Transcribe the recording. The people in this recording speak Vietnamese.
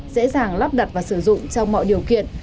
dễ dàng lắp đặt và sử dụng trong mọi điều kiện